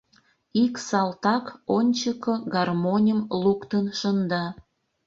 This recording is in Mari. Ик салтак ончыко гармоньым луктын шында.